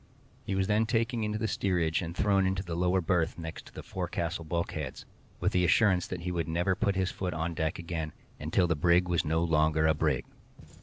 He was then taken into the steerage, and thrown into a lower berth next to the forecastle bulkheads, with the assurance that he should never put his foot on deck again "until the brig was no longer a brig."